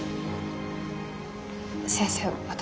先生私。